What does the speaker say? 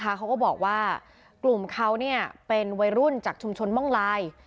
เขาก็บอกว่ากลุ่มเขาเป็นวัยรุ่นจากชุมชนม่องลาย